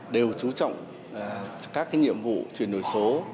đều chú trọng các nhiệm vụ chuyển đổi số